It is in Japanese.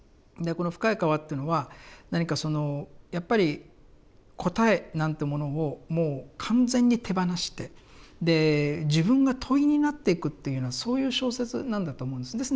この「深い河」というのは何かそのやっぱり答えなんてものをもう完全に手放してで自分が問いになっていくというようなそういう小説なんだと思うんです。